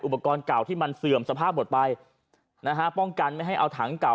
เก่าที่มันเสื่อมสภาพหมดไปนะฮะป้องกันไม่ให้เอาถังเก่า